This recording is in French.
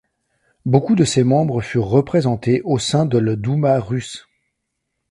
Beaucoup de ses membres furent représentés au sein de le Douma russe.